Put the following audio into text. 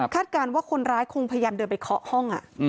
การว่าคนร้ายคงพยายามเดินไปเคาะห้อง